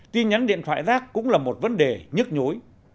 tin nhắn điện thoại rác cũng là một vấn đề nhức nhối